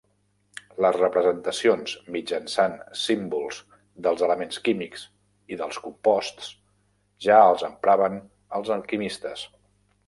Les representacions mitjançant símbols dels elements químics i dels composts ja els empraven els alquimistes.